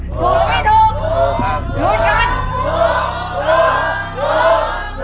ถูกหรือไม่ถูกลุดกันถูกถูกถูก